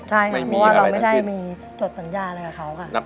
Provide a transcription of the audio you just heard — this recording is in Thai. ใช่ค่ะเพราะว่าเราไม่ได้มีจดสัญญาอะไรกับเขาค่ะ